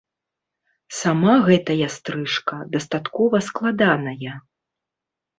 Сама гэтая стрыжка дастаткова складаная.